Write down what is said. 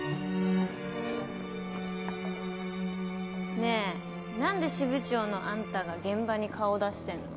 ねえなんで支部長のあんたが現場に顔出してんの？